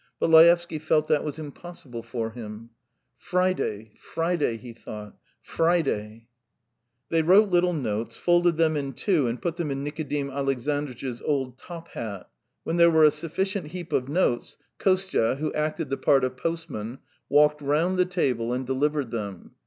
But Laevsky felt that was impossible for him. "Friday, Friday ..." he thought. "Friday. ..." They wrote little notes, folded them in two, and put them in Nikodim Alexandritch's old top hat. When there were a sufficient heap of notes, Kostya, who acted the part of postman, walked round the table and delivered them.